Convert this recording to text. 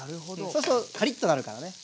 そうするとカリッとなるからね。